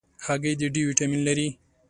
هګۍ د D ویټامین لري.